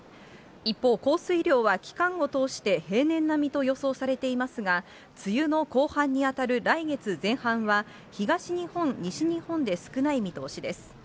一方、降水量は、期間を通して平年並みと予想されていますが、梅雨の後半に当たる来月前半は、東日本、西日本で少ない見通しです。